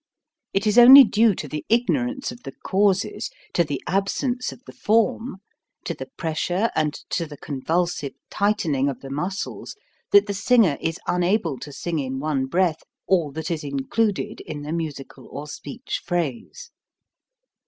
It is only due to the ignorance of the causes, 32 HOW TO SING to the absence of the form, to the pressure and to the convulsive tightening of the muscles, that the singer is unable to sing in one breath all that is included in the musical or speech phrase.